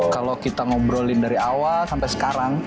kalau kita ngobrolin dari awal sampai sekarang